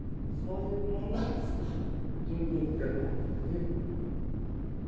そういうもんなんですから人生ってのはねっ。